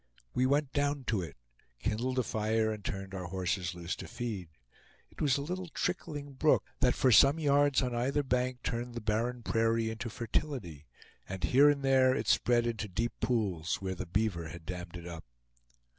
We went down to it, kindled a fire, and turned our horses loose to feed. It was a little trickling brook, that for some yards on either bank turned the barren prairie into fertility, and here and there it spread into deep pools, where the beaver had dammed it up.